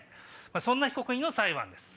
そんな被告人の裁判です。